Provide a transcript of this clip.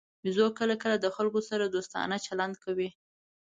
بیزو کله کله د خلکو سره دوستانه چلند کوي.